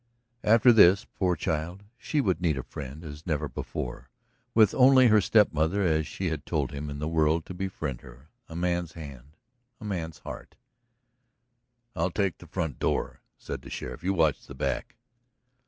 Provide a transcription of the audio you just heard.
After this, poor child, she would need a friend, as never before, with only her step mother, as she had told him, in the world to befriend her. A man's hand, a man's heart "I'll take the front door," said the sheriff. "You watch the back."